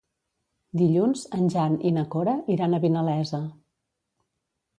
Dilluns en Jan i na Cora iran a Vinalesa.